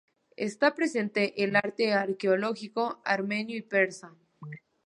Está presente el arte arqueológico armenio y persa.